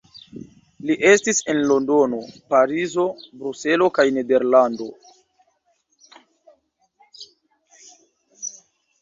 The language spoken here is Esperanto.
Li estis en Londono, Parizo, Bruselo kaj Nederlando.